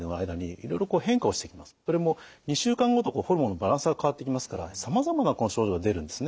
それも２週間ごとホルモンのバランスが変わっていきますからさまざまな症状が出るんですね。